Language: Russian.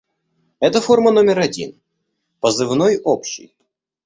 Это форма номер один позывной общий.